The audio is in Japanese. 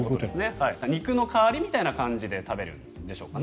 肉の代わりみたいな感じで食べるんでしょうかね。